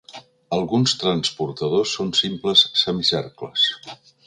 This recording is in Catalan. Alguns transportadors són simples semicercles.